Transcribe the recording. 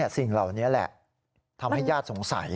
สิ่งเหล่านี้แหละทำให้ญาติสงสัย